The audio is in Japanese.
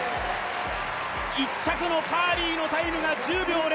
１着のカーリーのタイムが１０秒０２。